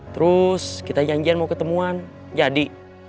terus kita janjian mau ketemuan jadi